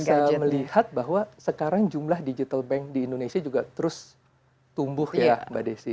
dan kita juga bisa melihat bahwa sekarang jumlah digital bank di indonesia juga terus tumbuh ya mbak desy